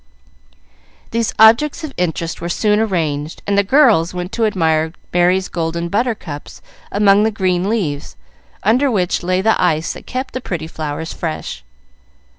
These objects of interest were soon arranged, and the girls went to admire Merry's golden butter cups among the green leaves, under which lay the ice that kept the pretty flowers fresh.